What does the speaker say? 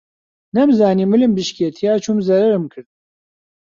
نەمزانی ملم بشکێ تیا چووم زەرەرم کرد